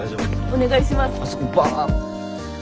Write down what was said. お願いします。